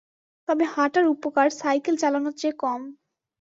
তবে হাঁটার উপকার সাইকেল চালানোর চেয়ে কম।